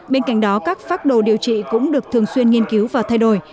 bên cạnh đó các phác đồ điều trị cũng được thường xuyên nghiên cứu và thay đổi